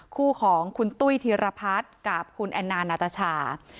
คู่ของคุณตุ้ยธีรพัฒน์กับคุณแอนนานาตาชา